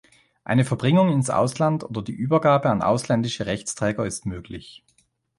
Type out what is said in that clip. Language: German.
Eine Verbringung ins Ausland oder die Übergabe an ausländische Rechtsträger ist möglich.